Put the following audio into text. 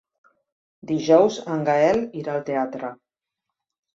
Dijous en Gaël irà al teatre.